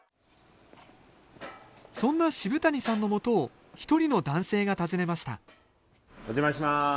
そんな渋谷さんのもとを一人の男性が訪ねましたお邪魔します。